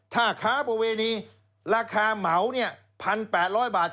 ถ้าค้าประเวณีราคาเหมา๑๘๐๐บาท